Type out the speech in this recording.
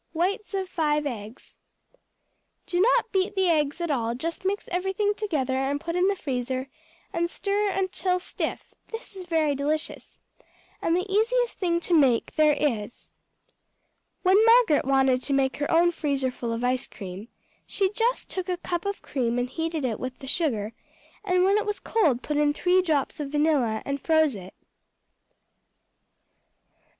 Whites of five eggs. Do not beat the eggs at all; just mix everything together and put in the freezer and stir till stiff; this is very delicious, and the easiest thing to make there is. When Margaret wanted to make her own freezer full of ice cream, she just took a cup of cream and heated it with the sugar, and when it was cold put in three drops of vanilla and froze it.